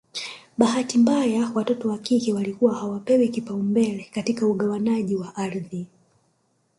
Bahati mbaya watoto wa kike walikuwa hawapewi kipaumbele katika ugawanaji wa ardhi